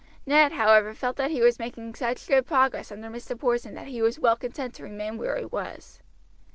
Ned, however, felt that he was making such good progress under Mr. Porson that he was well content to remain where he was.